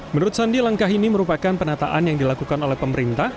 menurut sandi langkah ini merupakan penataan yang dilakukan oleh pemerintah